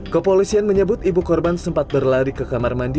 kepolisian menyebut ibu korban sempat berlari ke kamar mandi